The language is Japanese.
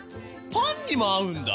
パンにも合うんだ！